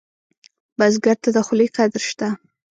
بزګر ته د خولې قدر شته